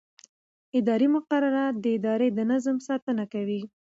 اداري مقررات د ادارې د نظم ساتنه کوي.